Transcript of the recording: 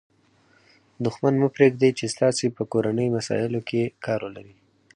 دوښمن مه پرېږدئ، چي ستاسي په کورنۍ مسائلو کښي کار ولري.